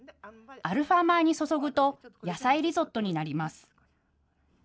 アルファ米に注ぐと野菜リゾットになります。